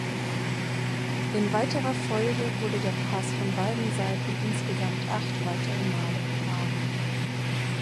In weiterer Folge wurde der Pass von beiden Seiten insgesamt acht weitere Male befahren.